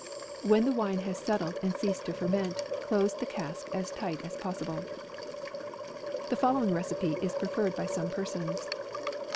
When the wine has settled and ceas ed to ferment, close the cask as tight as pos sible* AUGUST, 171 The following recipe is preferred by some persons.